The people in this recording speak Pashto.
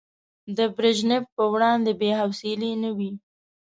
د بريژينف په وړاندې بې حوصلې نه وای.